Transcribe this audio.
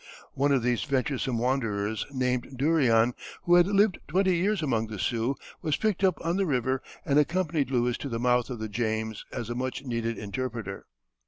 One of these venturesome wanderers named Durion, who had lived twenty years among the Sioux, was picked up on the river and accompanied Lewis to the mouth of the James, as a much needed interpreter.